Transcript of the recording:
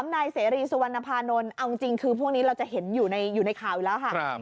นายเสรีสุวรรณภานนท์เอาจริงคือพวกนี้เราจะเห็นอยู่ในข่าวอยู่แล้วค่ะ